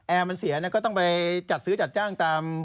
แอร์มันเสียใจก็ต้องไปจัดซื้อจัดจ้าง